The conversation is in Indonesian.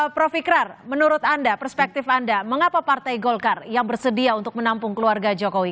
prof ikrar menurut anda perspektif anda mengapa partai golkar yang bersedia untuk menampung keluarga jokowi